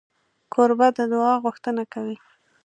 کوربه د دعا غوښتنه کوي.